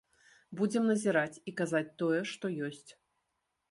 Будзем назіраць і казаць тое, што ёсць.